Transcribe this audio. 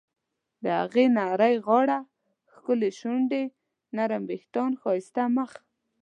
د هغې نرۍ غاړه، ښکلې شونډې ، نرم ویښتان، ښایسته مخ..